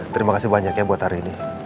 terima kasih banyak ya buat hari ini